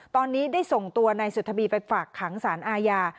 ตอนนี้ได้ส่งตัวนายสุธีไปฝากขังสารอาญา